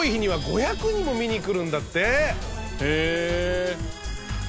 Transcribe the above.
へえ。